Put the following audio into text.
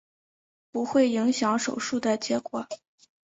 不会影响手术的结果。